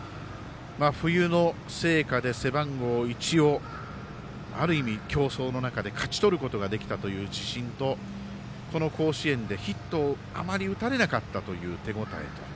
冬の成果で背番号１をある意味、競争の中で勝ち取ることができたという自信と、この甲子園でヒットをあまり打たれなかったという手応えと。